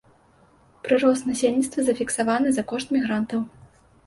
Прырост насельніцтва зафіксаваны за кошт мігрантаў.